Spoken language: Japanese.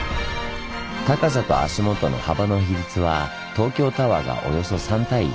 高さと足元の幅の比率は東京タワーがおよそ３：１。